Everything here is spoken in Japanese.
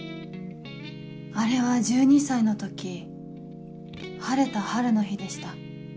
あれは１２歳の時晴れた春の日でした。